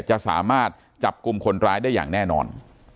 จะสามารถจับกลุ่มคนร้ายได้อย่างแน่นอน